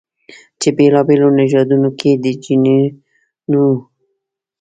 چې بېلابېلو نژادونو کې د جینونو